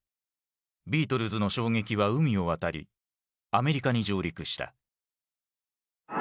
ビートルズの衝撃は海を渡りアメリカに上陸した。